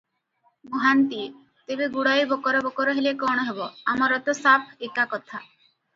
ମହାନ୍ତିଏ- ତେବେ ଗୁଡାଏ ବକର ବକର ହେଲେ କଣ ହେବ, ଆମର ତ ସାଫ ଏକା କଥା ।